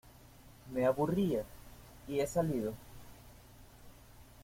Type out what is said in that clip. me aburría, y he salido...